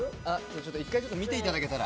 一回見ていただけたら。